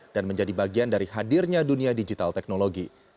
dan menjadi bagian dari hadirnya dunia digital teknologi